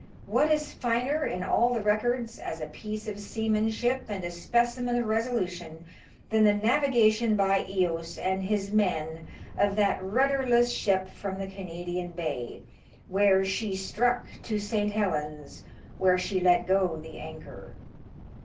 What is finer, in all the records, as a piece of seamanship and a specimen of resolution, than the navigation by Eous and his men of that rudderless ship from the Canadian bay, where she struck^ to St. Helen's, where she let go the anchor